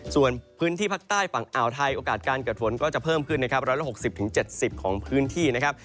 ส่วนพื้นที่ภาคใต้ฝั่งอ่าวไทยโอกาสการเกิดฝนก็จะเพิ่มขึ้นนะครับ๑๖๐๗๐ของพื้นที่นะครับ